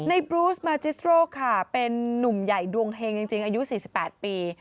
บรูสมาจิสโรค่ะเป็นนุ่มใหญ่ดวงเฮงจริงอายุ๔๘ปี